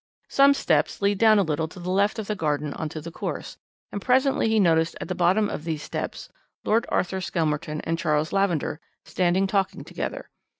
Some steps lead down a little to the left of the garden on to the course, and presently he noticed at the bottom of these steps Lord Arthur Skelmerton and Charles Lavender standing talking together.